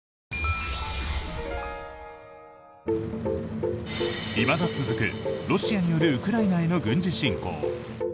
いまだ続く、ロシアによるウクライナへの軍事侵攻。